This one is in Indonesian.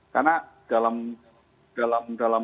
karena dalam kita tahu ya dalam beberapa pengadilan sebelumnya itu